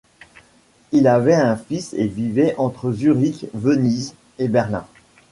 Il avait un fils et vivait entre Zurich, Venise et Berlin.